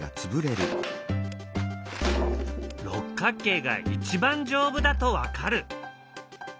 六角形が一番丈夫だと分かる。